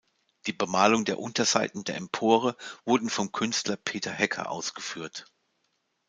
Die Bemalung der Unterseiten der Empore wurden vom Künstler Peter Hecker ausgeführt.